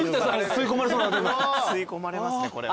吸い込まれますねこれは。